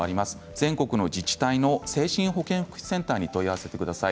全国の自治体の精神保健福祉センターに問い合わせてください。